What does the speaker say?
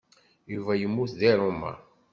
Yuba yemmut deg Roma.